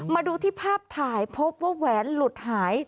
มาดูที่ภาพถ่ายพบว่าแหวนหลุดหาย